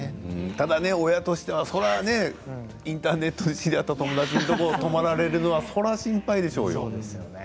ただ親としてはインターネットで知り合った友達の所に泊まられるのはそれは心配でしょう。